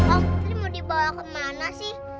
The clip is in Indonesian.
oh putri mau dibawa kemana sih